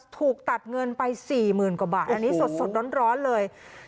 ถูกตัดเงินไป๔๐๐๐กว่าบาทอันนี้สดร้อนเลย